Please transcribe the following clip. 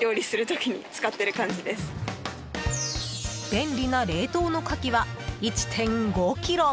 便利な冷凍のカキは１．５ｋｇ。